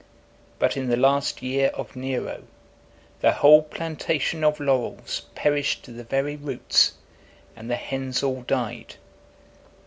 But in the last year of Nero, the whole plantation of laurels perished to the very roots, and the hens all died.